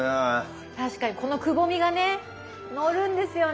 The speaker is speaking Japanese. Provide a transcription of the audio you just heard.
確かにこのくぼみがねのるんですよね。